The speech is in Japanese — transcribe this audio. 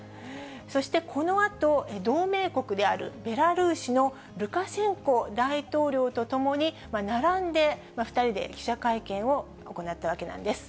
そしてこのあと、同盟国であるベラルーシのルカシェンコ大統領と共に並んで２人で記者会見を行ったわけなんです。